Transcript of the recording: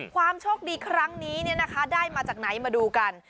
ความโชคดีครั้งนี้เนี้ยนะคะได้มาจากไหนมาดูกัน